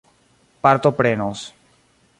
partoprenos